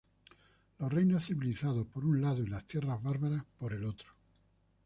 Los reinos civilizados por un lado y las tierras bárbaras por otro.